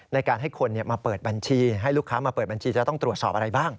ในการให้คนมาเปิดบัญชีให้ลูกค้ามาเปิดบัญชีจะต้องตรวจสอบอะไรบ้าง